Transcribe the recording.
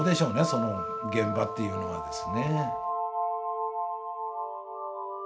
その現場っていうのはですね。